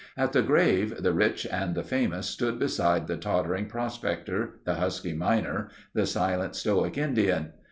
At the grave the rich and the famous stood beside the tottering prospector, the husky miner, the silent, stoic Indian.